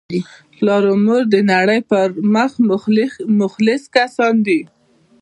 پلار او مور دنړۍ په مخ مخلص کسان دي